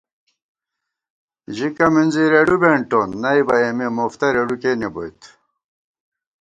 ژِکہ مِنزی رېڈُو بېنٹون نئیبہ اېمے مُفتہ رېڈُو کېنےبوت